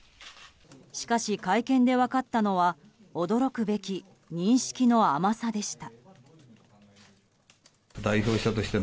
しかし、会見で分かったのは驚くべき認識の甘さでした。